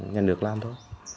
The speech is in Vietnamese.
nhân được làm thôi